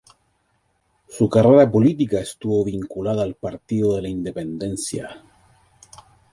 Su carrera política estuvo vinculada al Partido de la Independencia.